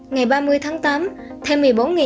ngày ba mươi tháng tám thêm một mươi bốn